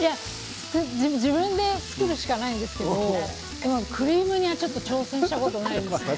自分で作るしかないんですけどクリーム煮は挑戦したことがないです。